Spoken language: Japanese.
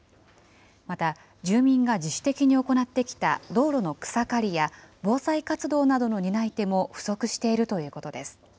また、住民が自主的に行ってきた道路の草刈りや、防災活動などの担い手も不足しているということです。